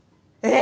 え！